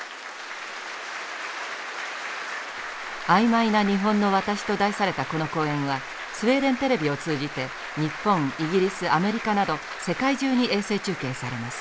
「あいまいな日本の私」と題されたこの講演はスウェーデン・テレビを通じて日本イギリスアメリカなど世界中に衛星中継されます。